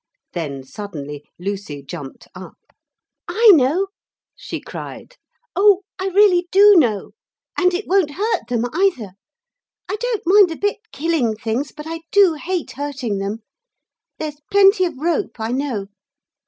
Then suddenly Lucy jumped up. 'I know,' she cried, 'oh I really do know. And it won't hurt them either. I don't a bit mind killing things, but I do hate hurting them. There's plenty of rope, I know.'